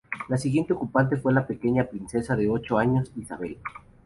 La siguiente ocupante fue la pequeña princesa de ocho años Isabel.